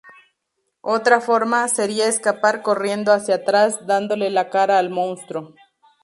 Otra forma, sería escapar corriendo hacia atrás, dándole la cara al monstruo.